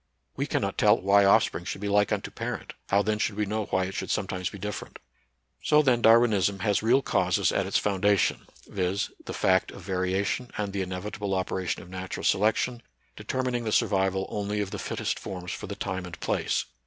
We cannot tell why offspring should be like unto parent ; how then should we know why it should some times be different ? So then Darwinism has real causes at its foun dation, viz., the fact of variation and the inevi table operation of natural selection, determining the survival only of the fittest forms for the time and place.